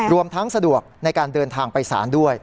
รวมทั้งสะดวกในการเดินทางไปสารด้วย